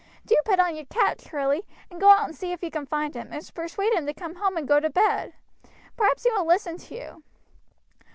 Do put on your cap, Charlie, and go out and see if you can find him, and persuade him to come home and go to bed; perhaps he will listen to you."